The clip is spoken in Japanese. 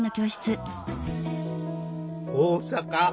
大阪。